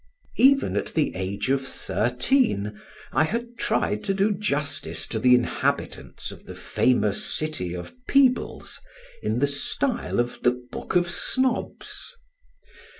Even at the age of thirteen I had tried to do justice to the inhabitants of the famous city of Peebles in the style of the Book of Snobs.